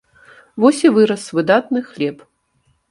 Вось і вырас выдатны хлеб.